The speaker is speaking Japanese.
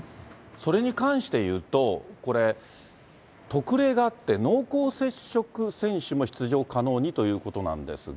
それに関して言うと、これ、特例があって、濃厚接触選手も出場可能にということなんですが。